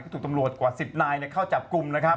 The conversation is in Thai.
ก็ถูกตำรวจกว่า๑๐นายเข้าจับกลุ่ม